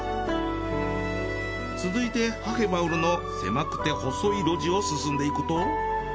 続いてハフェマウルの狭くて細い路地を進んでいくと。